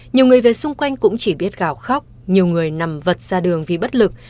nhiều người về xung quanh cũng chỉ biết gào khóc nhiều người nằm vật ra đường vì bất lực